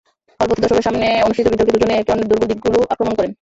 হলভর্তি দর্শকের সামনে অনুষ্ঠিত বিতর্কে দুজনেই একে অন্যের দুর্বল দিকগুলো আক্রমণ করেন।